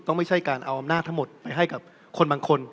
ไม่ใช่การเอาอำนาจทั้งหมดไปให้กับคนบางคน